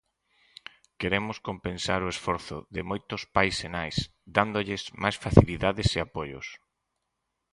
Queremos compensar o esforzo de moitos pais e nais dándolles máis facilidades e apoios.